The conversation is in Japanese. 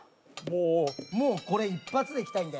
もうこれ一発でいきたいんで。